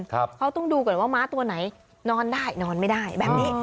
เขาต้องดูก่อนว่าม้าตัวไหนนอนได้นอนไม่ได้แบบนี้